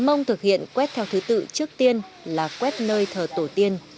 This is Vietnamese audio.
con trâu con bò không bị dịch bệnh đi đâu cũng gặp may mắn